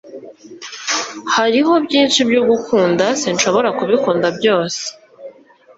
Hariho byinshi byo gukunda, sinshobora kubikunda byose;